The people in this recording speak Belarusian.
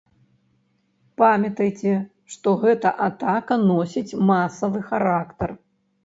Памятайце, што гэта атака носіць масавы характар.